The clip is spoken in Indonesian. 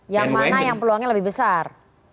yang mana yang peluangnya lebih besar